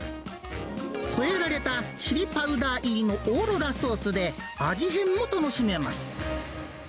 添えられたチリパウダー入りのオーロラソースで、味変も楽しめます。